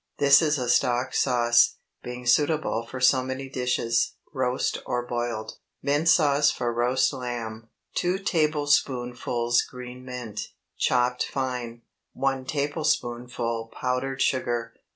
This is a "stock" sauce, being suitable for so many dishes, roast or boiled. MINT SAUCE FOR ROAST LAMB. 2 tablespoonfuls green mint, chopped fine. 1 tablespoonful powdered sugar.